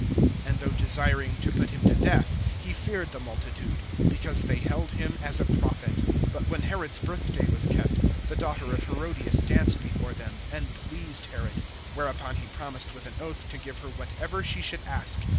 (5)And though desiring to put him to death, he feared the multitude, because they held him as a prophet. (6)But when Herod's birthday was kept, the daughter of Herodias danced before them, and pleased Herod. (7)Whereupon he promised with an oath, to give her whatever she should ask.